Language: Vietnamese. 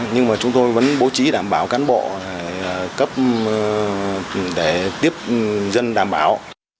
nhưng mà chúng tôi vẫn bố trí đảm bảo cán bộ cấp để tiếp dân đảm bảo